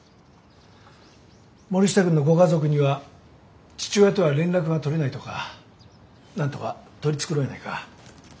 森下くんのご家族には父親とは連絡が取れないとかなんとか取り繕えないか。